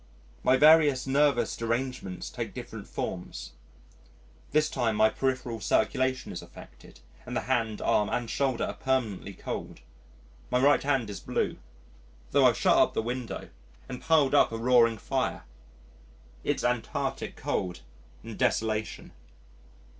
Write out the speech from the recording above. My various nervous derangements take different forms. This time my peripheral circulation is affected, and the hand, arm, and shoulder are permanently cold. My right hand is blue tho' I've shut up the window and piled up a roaring fire. It's Antarctic cold and desolation.